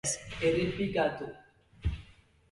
Errepikatu.